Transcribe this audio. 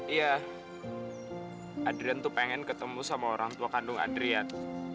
iya adrian tuh pengen ketemu sama orang tua kandung adrian